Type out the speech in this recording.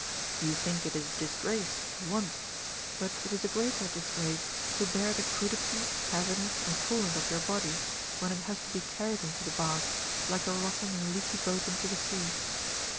You think it is a disgrace to want, but it is a greater disgrace to bear the crudity, heaviness, and fulness of your body, when it has to be carried into the bath, like a rotten and leaky boat into the sea.